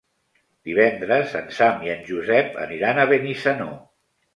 Divendres en Sam i en Josep aniran a Benissanó.